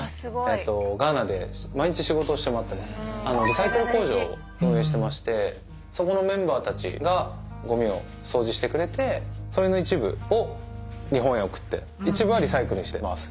リサイクル工場を運営してましてそこのメンバーたちがゴミを掃除してくれてそれの一部を日本へ送って一部はリサイクルにしてます。